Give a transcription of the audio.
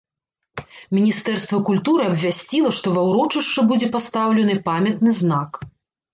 Міністэрства культуры абвясціла, што ва ўрочышчы будзе пастаўлены памятны знак.